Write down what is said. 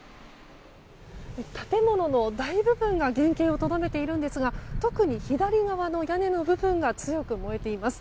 建物の大部分が原形をとどめているんですが特に左側の屋根の部分が強く燃えています。